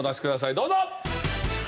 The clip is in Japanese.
どうぞ。